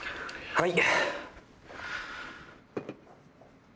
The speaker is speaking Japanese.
はい。